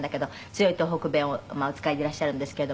強い東北弁をお使いでいらっしゃるんですけれども。